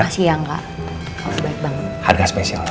masih ya enggak kamu baik banget harga spesial nanti